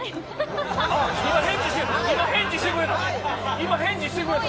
今、返事してくれた。